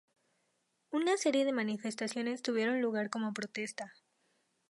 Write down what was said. Una serie de manifestaciones tuvieron lugar como protesta.